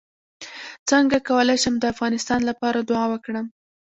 څنګه کولی شم د افغانستان لپاره دعا وکړم